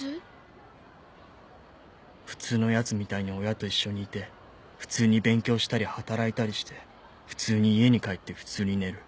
普通の奴みたいに親と一緒にいて普通に勉強したり働いたりして普通に家に帰って普通に寝る。